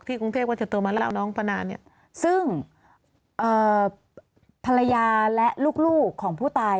กรุงเทพว่าจะตัวมาแล้วเอาน้องพนาเนี่ยซึ่งภรรยาและลูกของผู้ตาย